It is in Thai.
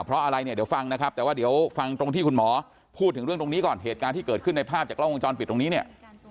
เพราะอะไรเนี่ยเดี๋ยวฟังนะครับแต่ว่าเดี๋ยวฟังตรงที่คุณหมอพูดถึงเรื่องตรงนี้ก่อนเหตุการณ์ที่เกิดขึ้นในภาพจากกล้องวงจรปิดตรงนี้เนี่ย